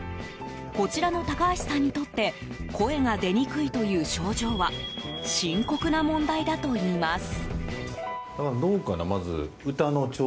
こちらの高橋さんにとって声が出にくいという症状は深刻な問題だといいます。